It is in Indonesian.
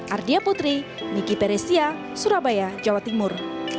ardia putri miki peresia surabaya jawa timur